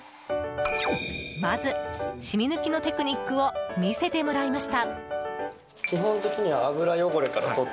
まず、染み抜きのテクニックを見せてもらいました。